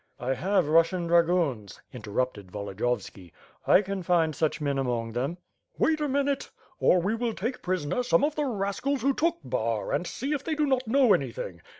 *T have Russian dragoons," interrupted Volodiyovski. "I can find such men among them/' ^54 ^^^^^^^^^^^ SWORD, "Wait a minute! .. Or we will take prisoner 8ome of the rascals who took Bar and eee if they do not know any thing.